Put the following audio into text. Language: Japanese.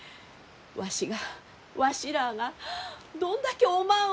わしがわしらあがどんだけおまんを。